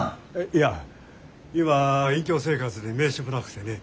いや今は隠居生活で名刺もなくてね。